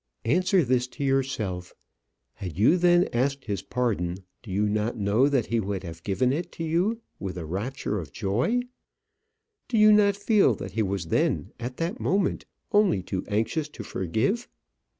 Answer this to yourself. Had you then asked his pardon, do you not know that he would have given it you with a rapture of joy? Do you not feel that he was then at that moment only too anxious to forgive?